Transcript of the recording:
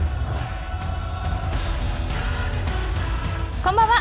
こんばんは。